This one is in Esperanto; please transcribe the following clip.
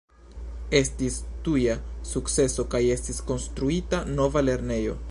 Estis tuja sukceso kaj estis konstruita nova lernejo.